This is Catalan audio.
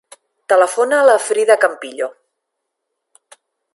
Telefona a la Frida Campillo.